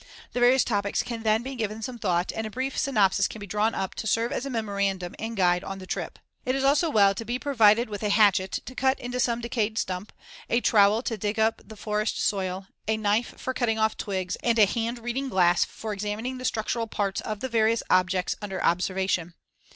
The various topics can then be given some thought and a brief synopsis can be drawn up to serve as a memorandum and guide on the trip. It is also well to be provided with a hatchet to cut into some decayed stump, a trowel to dig up the forest soil, a knife for cutting off twigs and a hand reading glass for examining the structural parts of the various objects under observation.